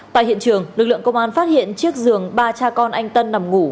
tại hiện trường lực lượng công an phát hiện chiếc giường ba cha con anh tân nằm ngủ